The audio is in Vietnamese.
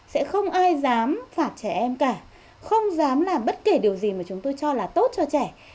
sẽ không ai dám phạt trẻ em cả không dám làm bất kể điều gì mà chúng tôi cho là tốt cho trẻ